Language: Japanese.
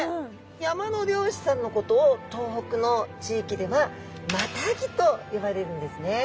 山の猟師さんのことを東北の地域ではマタギといわれるんですね。